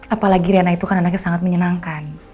apalagi riana itu kan anaknya sangat menyenangkan